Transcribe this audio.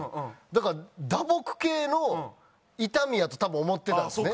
だから打撲系の痛みやと多分思ってたんですね。